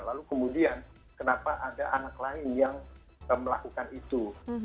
lalu kemudian kenapa ada anak lain yang melakukan itu